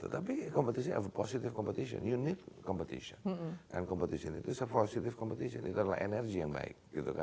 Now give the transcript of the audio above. tapi competition adalah competition positif kamu butuh competition dan competition itu adalah energi yang baik